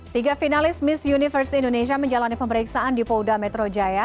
tiga finalis miss universe indonesia menjalani pemeriksaan di polda metro jaya